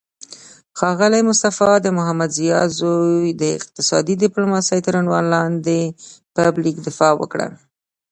ښاغلی مصطفی د محمدضیا زوی د اقتصادي ډیپلوماسي تر عنوان لاندې پایلیک دفاع وکړه